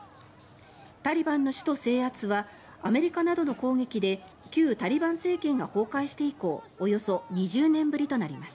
タリバンの首都制圧はアメリカなどの攻撃で旧タリバン政権が崩壊して以降およそ２０年ぶりとなります。